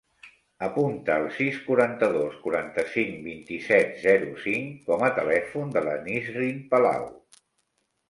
Apunta el sis, quaranta-dos, quaranta-cinc, vint-i-set, zero, cinc com a telèfon de la Nisrin Palau.